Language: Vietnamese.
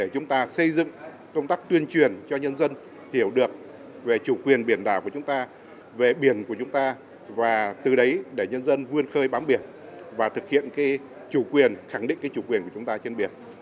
chúng ta xây dựng công tác tuyên truyền cho nhân dân hiểu được về chủ quyền biển đảo của chúng ta về biển của chúng ta và từ đấy để nhân dân vươn khơi bám biển và thực hiện chủ quyền khẳng định chủ quyền của chúng ta trên biển